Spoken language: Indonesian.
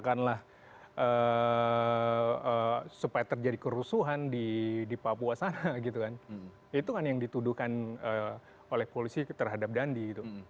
katakanlah supaya terjadi kerusuhan di papua sana gitu kan itu kan yang dituduhkan oleh polisi terhadap dandi itu